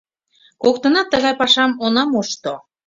Коктынат тыгай пашам она мошто.